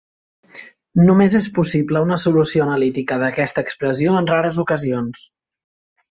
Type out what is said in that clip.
Només és possible una solució analítica d'aquesta expressió en rares ocasions.